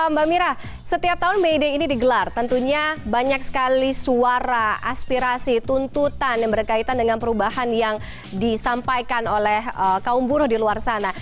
mbak mira setiap tahun may day ini digelar tentunya banyak sekali suara aspirasi tuntutan yang berkaitan dengan perubahan yang disampaikan oleh kaum buruh di luar sana